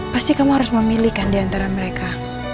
pasti kamu harus memilihkan diantara mereka